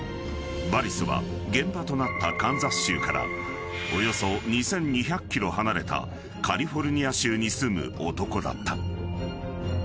［バリスは現場となったカンザス州からおよそ２，２００ｋｍ離れたカリフォルニア州に住む男だった］